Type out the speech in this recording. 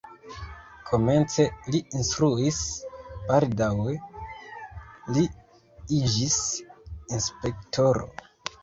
Komence li instruis, baldaŭe li iĝis inspektoro.